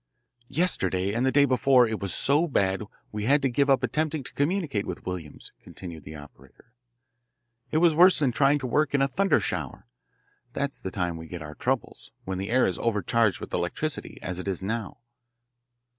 "Yesterday and the day before it was so bad we had to give up attempting to communicate with Williams," continued the operator. "It was worse than trying to work in a thunder shower. That's the time we get our troubles, when the air is overcharged with electricity, as it is now."